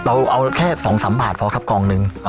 เราเอาแค่๒๓บาทพอครับกองหนึ่ง